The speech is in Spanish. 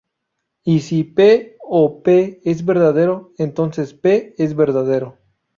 Y "si "p o p" es verdadero, entonces "p" es verdadero".